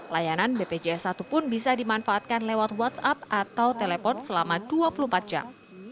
layanan bpjs satu pun bisa dimanfaatkan lewat whatsapp atau telepon selama dua puluh empat jam